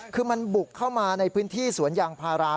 คือมันบุกเข้ามาในพื้นที่สวนยางพารา